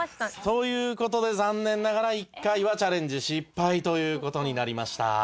という事で残念ながら１回はチャレンジ失敗という事になりました。